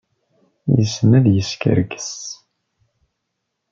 Yessen ad yeskerkes.